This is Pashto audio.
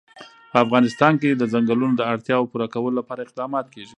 په افغانستان کې د چنګلونه د اړتیاوو پوره کولو لپاره اقدامات کېږي.